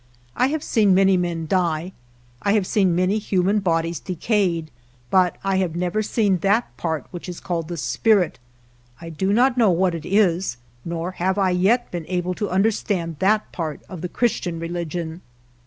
I have seen many men die; I have seen many human bodies decayed, but I have never seen that part which is called the spirit; I do not know what it is; nor have I yet been able to un derstand that part of the Christian religion.